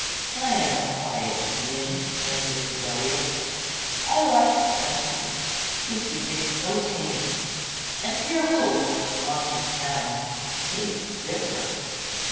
"I am a quiet being," answered Agellius, "I like the country, which you think so tame, and care little for the flaunting town. Tastes differ."